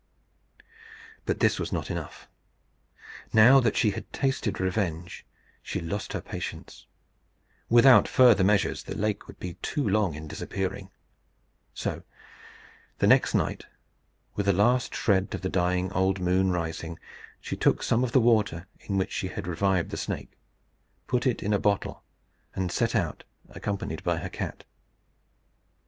But this was not enough. Now that she had tasted revenge, she lost her patience. Without further measures, the lake would be too long in disappearing. So the next night, with the last shred of the dying old moon rising, she took some of the water in which she had revived the snake, put it in a bottle, and set out, accompanied by her cat.